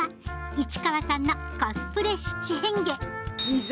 市川さんのコスプレ七変化いざ